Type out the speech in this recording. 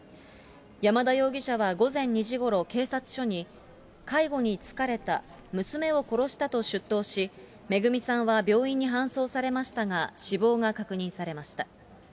山田容疑者は午前２時ごろ、警察署に、介護に疲れた、娘を殺したと出頭し、めぐみさんは病院に搬送されましたが、死亡が確認されました。